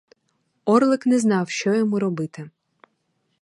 Орлик не знав, що йому робити.